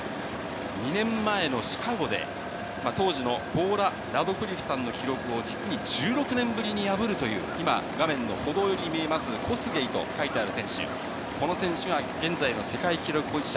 ２年前のシカゴで、当時のポーラ・ラドクリフさんの記録を、実に１６年ぶりに破るという、今、画面の歩道寄りに見えます、コスゲイと書いてある選手、この選手が現在の世界記録保持者。